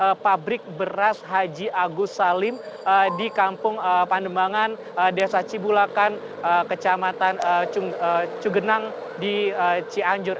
dan juga pabrik beras haji agus salim di kampung pandemangan desa cibulakan kecamatan cugenang di cianjur